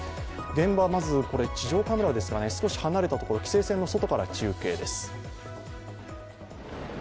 現場、まず地上カメラですかね、少し離れたところ規制線の外から中継です。